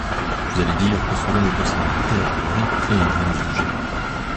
Vous allez dire que cela ne concerne que la trésorerie et non le budget.